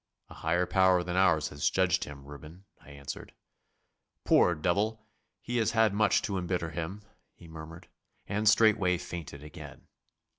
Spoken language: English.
'A higher power than ours has judged him, Reuben,' I answered. 'Poor devil! He has had much to embitter him,' he murmured, and straightway fainted again.